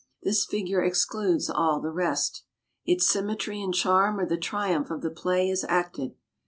This figure excludes all the rest. Its symmetry and charm are the triumph of the play as acted.